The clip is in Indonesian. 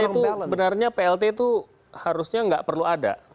jadi plt itu sebenarnya harusnya nggak perlu ada